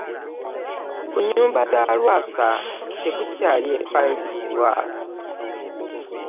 Ku nnyumba za Lwasa tekukyali epangisibwa.